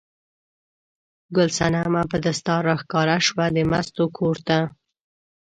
ګل صنمه په دستار راښکاره شوه د مستو کور ته.